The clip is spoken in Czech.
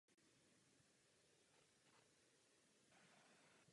Některé knihy mu vyšly pod pseudonymem Stephen Bury.